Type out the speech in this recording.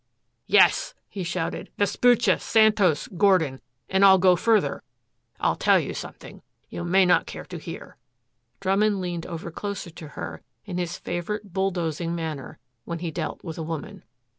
"Yes," he shouted, "Vespuccia Santos Gordon. And I'll go further. I'll tell you something you may not care to hear." Drummond leaned over closer to her in his favorite bulldozing manner when he dealt with a woman.